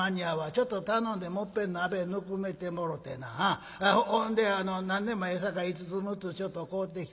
ちょっと頼んでもっぺん鍋ぬくめてもろてなほんであの何でもええさかい５つ６つちょっと買うてき。